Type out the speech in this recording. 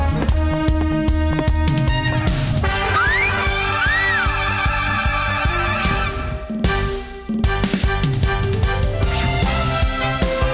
แม่ม่อนประจันทร์บาล